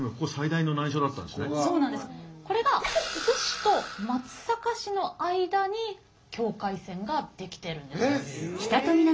これが津市と松阪市の間に境界線ができてるんです。